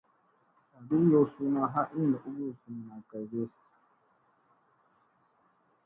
Agi yow suuna ha iini ugi hu senena gage ?